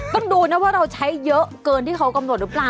ต้องดูนะว่าเราใช้เยอะเกินที่เขากำหนดหรือเปล่า